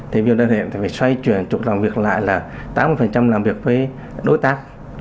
thì bây giờ đơn hiệp phải xoay chuyển trục làm việc lại là tám mươi làm việc với đối tác